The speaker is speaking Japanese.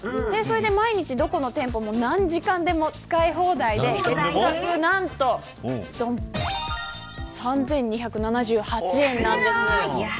毎日、どこの店舗でも何時間でも使い放題で３２７８円なんです。